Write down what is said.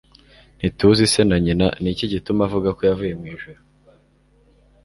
Ntituzi se na nyina. Ni iki gituma avuga ko yavuye mu ijuru.»